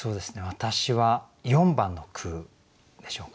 私は４番の句でしょうか。